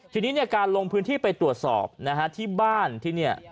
ทีนี้การลงพื้นที่ไปตรวจสอบที่บ้านที่เนี่ย